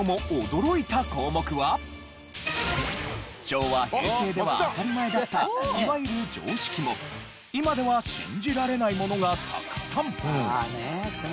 昭和・平成では当たり前だったいわゆる常識も今では信じられないものがたくさん！